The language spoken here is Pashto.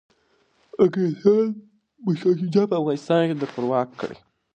انګریزان به شاه شجاع په افغانستان کي پرواک کړي.